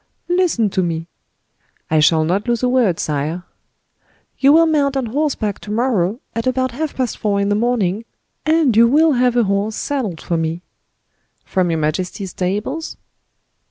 "Listen to me." "I shall not lose a word, sire." "You will mount on horseback to morrow, at about half past four in the morning, and you will have a horse saddled for me." "From your majesty's stables?"